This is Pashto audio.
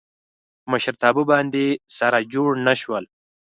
په مشرتابه باندې سره جوړ نه شول.